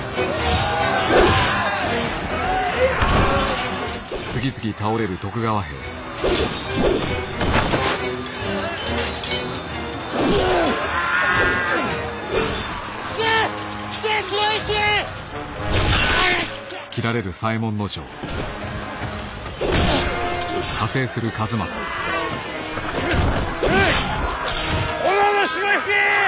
おのおの城へ引け！